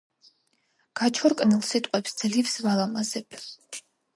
გაჩორკნილ სიტყვებს ძლივს ვალამაზებ.